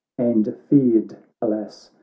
And feared, alas !